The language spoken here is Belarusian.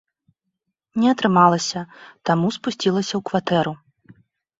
Не атрымалася, таму спусцілася ў кватэру.